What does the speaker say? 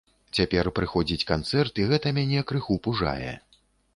Цяпер прыходзіць канцэрт, і гэта мяне крыху пужае.